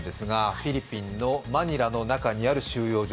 フィリピンのマニラの中にある収容所。